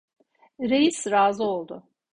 Reis razı oldu.